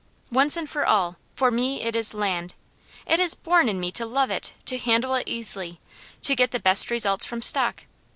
Once and for all, for me it is land. It is born in me to love it, to handle it easily, to get the best results from stock.